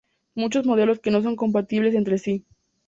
Muchos modelos que no son compatibles entre sí.